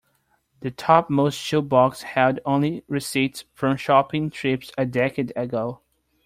The topmost shoe box held only receipts from shopping trips a decade ago.